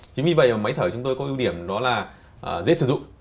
chính vì vậy máy thở của chúng tôi có ưu điểm đó là dễ sử dụng